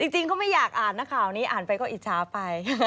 จริงก็ไม่อยากอ่านนะข่าวนี้อ่านไปก็อิจฉาไป